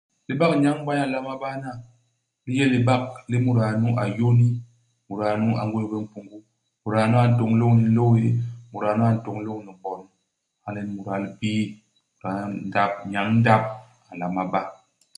Libak nyañ-mbay a nlama bana, li yé libak li muda nu a yôni ; muda nu a ngwés bé mpungu. Muda nu a ntôñ lôñni nlô-wéé, muda nu a ntôñ lôñni bon. Hala nyen muda-libii, muda ndap, nyañ-ndap a nlama ba.